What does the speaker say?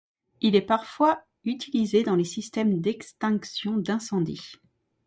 Il est parfois utilisé dans les systèmes d'extinction d'incendie.